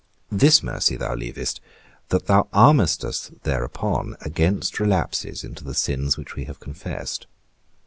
This mercy thou leavest, that thou armest us thereupon against relapses into the sins which we have confessed.